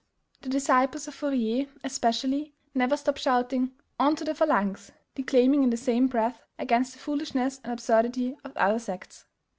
The disciples of Fourier, especially, never stop shouting, "ON TO THE PHALANX!" declaiming in the same breath against the foolishness and absurdity of other sects.